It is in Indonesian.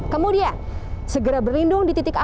kemudian segera berlindung di titik api